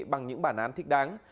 bằng những bản án thích đáng